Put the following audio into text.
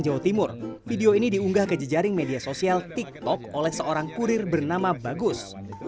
jawa timur video ini diunggah ke jejaring media sosial tiktok oleh seorang kurir bernama bagus satu ratus delapan belas